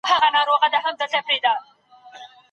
صندلي بې خطره نه ده.